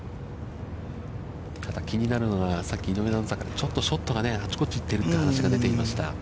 気になるのが、さっき井上アナウンサーからちょっとショットがあっちこっちに行っているという話が出ていました。